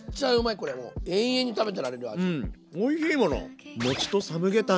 これもう永遠に食べてられる味。